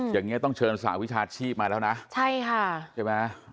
อย่างนี้ต้องเชิญสหวิชาชีพมาแล้วนะใช่ค่ะใช่ไหม